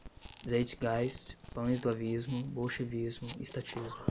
Zeitgeist, pan-eslavismo, bolchevismo, estatismo